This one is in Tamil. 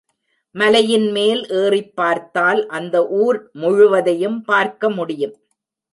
மலையின் மேல் ஏறிப் பார்த்தால் அந்த ஊர் முழுவதையும் பார்க்க முடியும்.